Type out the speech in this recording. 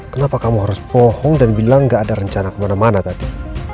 kenapa kamu harus bohong dan bilang gak ada rencana kemana mana tadi